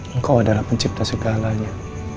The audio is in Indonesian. engkau adalah pencipta segalanya